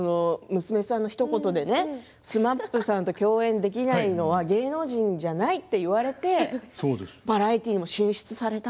娘さんのひと言でＳＭＡＰさんと共演できないのは芸能人じゃないと言われてバラエティーにも進出されたり。